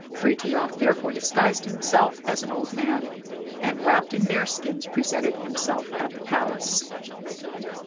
Frithiof. therefore disguised himself as an old man, and wrapped in bearskins, presented himself at the palace.